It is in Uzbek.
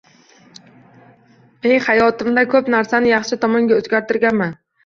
Men hayotimda ko’p narsani yaxshi tomonga o’zgartirganman.